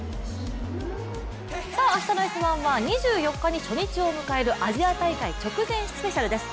明日の「Ｓ☆１」は２４日に初日を迎えるアジア大会直前スペシャルです。